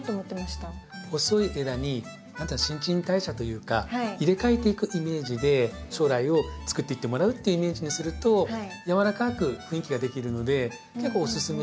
細い枝に新陳代謝というか入れ替えていくイメージで将来をつくっていってもらうっていうイメージにするとやわらかく雰囲気ができるので結構おすすめのせん定方法になりますね。